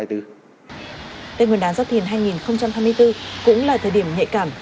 tết nguyên đán giáp thìn hai nghìn hai mươi bốn cũng là thời điểm nhạy cảm